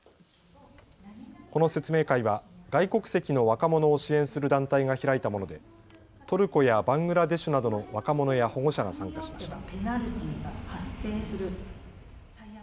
この説明会は外国籍の若者を支援する団体が開いたものでトルコやバングラデシュなどの若者や保護者が参加しました。